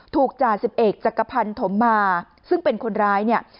จ่าสิบเอกจักรพันธมมาซึ่งเป็นคนร้ายเนี่ย